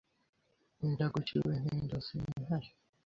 Ndagukiwe nti ndose imihayo